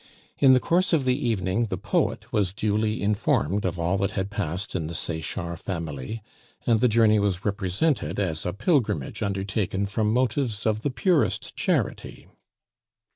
In the course of the evening the poet was duly informed of all that had passed in the Sechard family, and the journey was represented as a pilgrimage undertaken from motives of the purest charity.